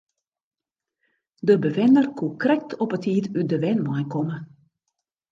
De bewenner koe krekt op 'e tiid út de wenwein komme.